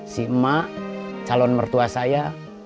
si emak calon mertua saya